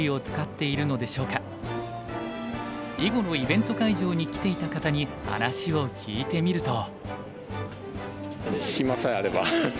囲碁のイベント会場に来ていた方に話を聞いてみると。